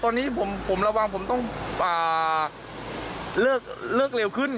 ตอนนี้ผมระวังผมต้องเลิกเร็วขึ้น